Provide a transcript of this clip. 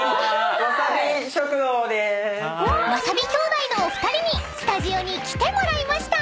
［わさび兄弟のお二人にスタジオに来てもらいました］